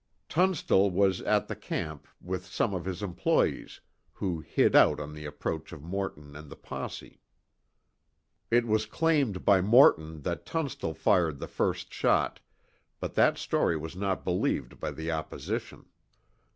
Tunstall was at the camp with some of his employes, who "hid out" on the approach of Morton and the posse. It was claimed by Morton that Tunstall fired the first shot, but that story was not believed by the opposition.